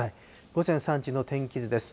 午前３時の天気図です。